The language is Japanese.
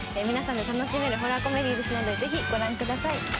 皆さんで楽しめるホラーコメディーですのでぜひご覧ください。